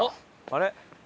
あれ？